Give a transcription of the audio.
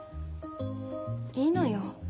いいのよ。